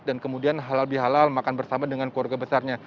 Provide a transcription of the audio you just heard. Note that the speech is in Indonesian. dan kemudian halal bihalal makan bersama dengan keluarga besarnya